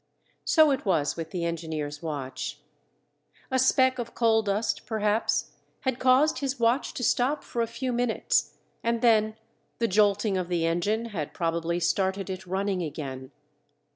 So it was with the engineer's watch. A speck of coal dust, perhaps, had caused his watch to stop for a few minutes and then the jolting of the engine had probably started it running again.